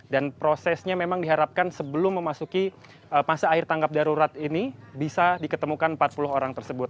dan prosesnya memang diharapkan sebelum memasuki masa akhir tanggap darurat ini bisa diketemukan empat puluh orang tersebut